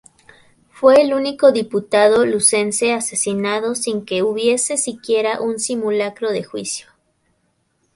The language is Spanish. Fue el único diputado lucense asesinado sin que hubiese siquiera un simulacro de juicio.